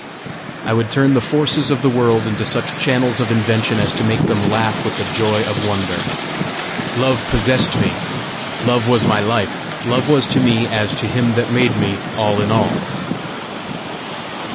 I would turn the forces of the world into such channels of invention as to make them laugh with the joy of wonder! Love possessed me! Love was my life! Love was to me, as to him that made me, all in all!